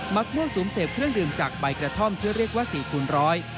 มักด้วยสูมเสพเครื่องลิมจากใบกระท่อมเชื่อเรียกว่า๔คูณร้อย